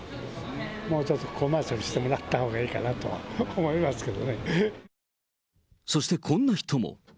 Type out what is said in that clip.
もうちょっとコマーシャルしてもらったほうがいいかなとは思いまそしてこんな人も。